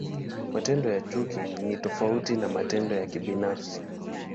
Matendo ya chuki ni tofauti na matendo ya kibinafsi.